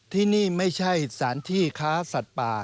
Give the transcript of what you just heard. ที่นี่ไม่ใช่สารที่ค้าสัตว์ป่า